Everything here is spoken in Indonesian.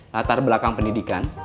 latar belakang pendidikan